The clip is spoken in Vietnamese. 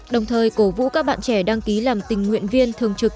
đồng thời cổ vũ các bạn trẻ đăng ký làm tình nguyện viên thường trực